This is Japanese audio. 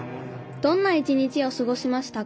どんな一日をすごしましたか？